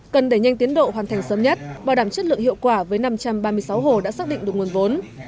cần đẩy nhanh tiến độ hoàn thành sớm nhất bảo đảm chất lượng hiệu quả với năm trăm ba mươi sáu hồ đã xác định được nguồn vốn